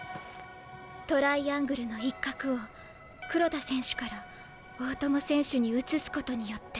トライアングルの一角を黒田選手から大友選手に移すことによって。